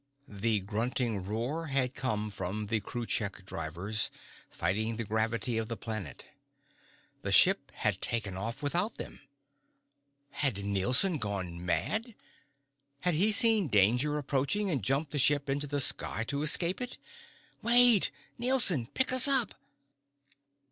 The grunting roar had come from the Kruchek drivers fighting the gravity of the planet. The ship had taken off without them. Had Nielson gone mad? Had he seen danger approaching and jumped the ship into the sky to escape it? "Wait! Nielson! Pick us up!"